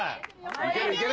いけるいける。